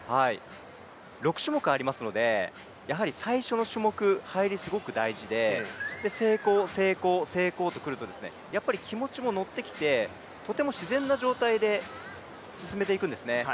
６種目ありますので最初の種目、入りすごく大事で成功、成功、成功とくると、やっぱり気持ちもノッてきてとても自然な状態で進めていくんですね。